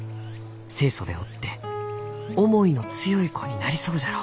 清楚でおって思いの強い子になりそうじゃろう？」。